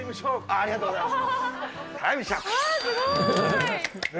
ありがとうございます。